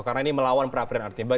karena ini melawan pra peradilan artinya